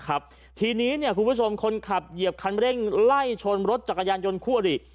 ทีนี้เนี่ยคุณผู้ชมคนขับเหยียบคันเร่งไล่ชนรถจักรยานยนต์คู่อริ